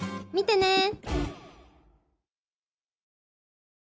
見てね！